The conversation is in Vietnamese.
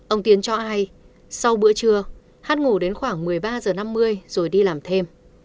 ông tiến cho ai sau bữa trưa hát ngủ đến khoảng một mươi ba h năm mươi rồi đi làm thêm